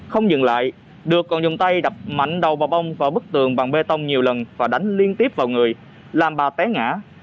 không dừng lại được còn dùng tay đập mạnh đầu vào bông và bức tường bằng bê tông nhiều lần và đánh liên tiếp vào người làm bà té ngã